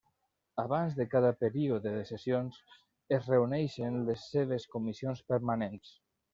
Abans de cada període de sessions, es reuneixen les seves comissions permanents.